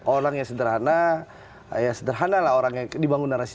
orang yang sederhana ya sederhanalah orang yang dibangun narasi